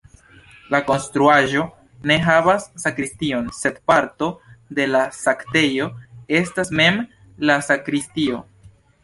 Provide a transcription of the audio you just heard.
La konstruaĵo ne havas sakristion, sed parto de la sanktejo estas mem la sakristio.